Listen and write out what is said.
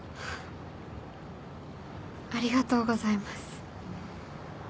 ありがとうございます。